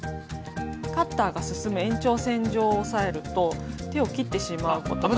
カッターが進む延長線上を押さえると手を切ってしまうことがあるので。